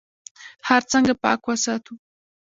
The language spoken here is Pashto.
ښار څنګه پاک وساتو؟